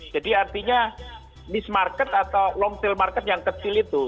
jadi artinya miss market atau long sale market yang kecil itu